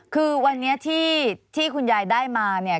คือวันนี้ที่คุณยายได้มาเนี่ย